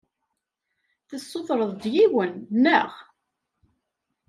Tessutreḍ-d yiwen, naɣ?